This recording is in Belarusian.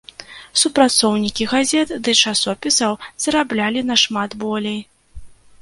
Супрацоўнікі газет ды часопісаў зараблялі нашмат болей.